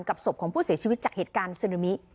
ศพของผู้เสียชีวิตจากเหตุการณ์ซึนามิ